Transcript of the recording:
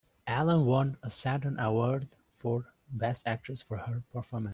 Allen won a Saturn Award for Best Actress for her performance.